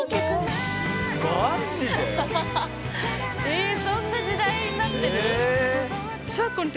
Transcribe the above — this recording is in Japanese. えそんな時代になってる？